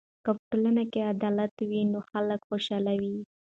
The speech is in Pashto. که په ټولنه کې عدالت وي نو خلک خوشحاله وي.